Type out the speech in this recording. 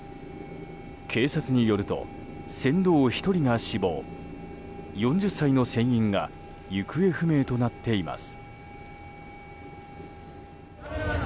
警察によると、船頭１人が死亡４０歳の船員が行方不明となっています。